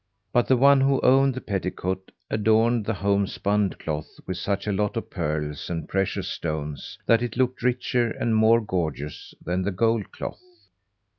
But the one who owned the petticoat adorned the homespun cloth with such a lot of pearls and precious stones that it looked richer and more gorgeous than the gold cloth.